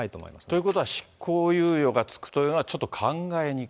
ということは、執行猶予が付くというのはちょっと考えにくい？